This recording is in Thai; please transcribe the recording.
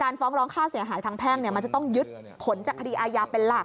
ฟ้องร้องค่าเสียหายทางแพ่งมันจะต้องยึดผลจากคดีอาญาเป็นหลัก